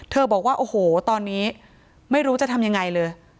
บอกว่าโอ้โหตอนนี้ไม่รู้จะทำยังไงเลย